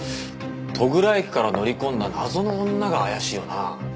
戸倉駅から乗り込んだ謎の女が怪しいよな。